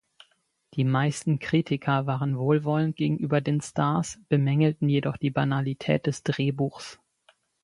Die meisten Kritiker waren wohlwollend gegenüber den Stars, bemängelten jedoch die Banalität des Drehbuchs.